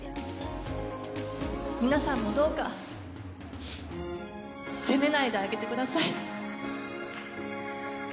皆さんもどうか責めないであげてください。